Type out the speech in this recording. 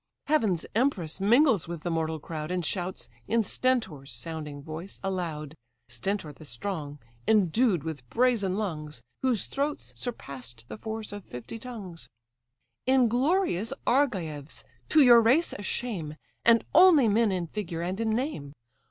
Heaven's empress mingles with the mortal crowd, And shouts, in Stentor's sounding voice, aloud; Stentor the strong, endued with brazen lungs, Whose throats surpass'd the force of fifty tongues. "Inglorious Argives! to your race a shame, And only men in figure and in name!